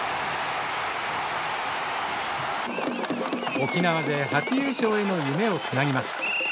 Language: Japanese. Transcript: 沖縄勢初優勝への夢をつなぎます。